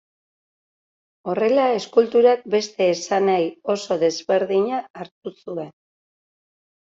Horrela eskulturak beste esanahi oso desberdina hartu zuen.